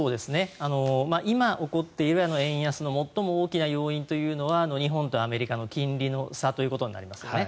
今起こっている円安の最も大きな要因というのは日本とアメリカの金利の差ということになりますよね。